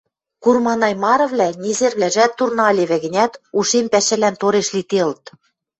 Курманай марывлӓ, незервлӓжӓт турна ылевӹ гӹнят, ушем пӓшӓлӓн тореш лиделыт.